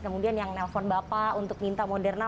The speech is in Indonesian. kemudian yang nelfon bapak untuk minta moderna